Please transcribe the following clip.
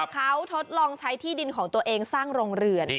เขาทดลองใช้ที่ดินของตัวเองสร้างโรงเรือน